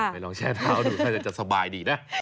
ไปลองแช่เท้าดูน่าจะสบายดีนะ